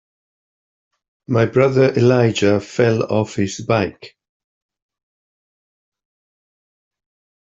My brother Elijah fell off his bike.